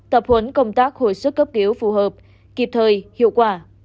tập huấn công tác hồi sức cấp cứu phù hợp kịp thời hiệu quả